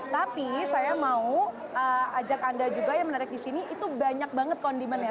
tapi saya mau ajak anda juga yang menarik di sini itu banyak banget kondimennya